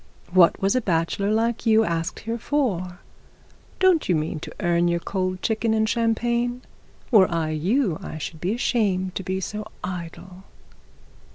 What was a bachelor like you asked here for? Don't you mean to earn your cold chicken and champagne? Were I you, I should be ashamed to be so idle.'